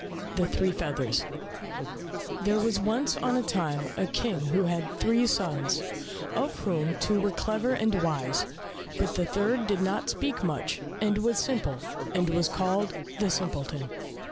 63 The Three Feathers There was once on a time a King who had three sons, of whom two were clever and wise, but the third did not speak much, and was simple, and was called the Simpleton.